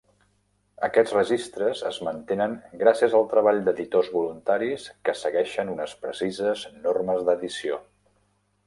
Aquests registres es mantenen gràcies al treball d'editors voluntaris que segueixen unes precises normes d'edició.